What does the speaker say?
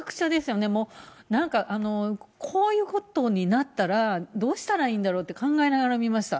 もうなんか、こういうことになったら、どうしたらいいんだろうって考えながら見ました。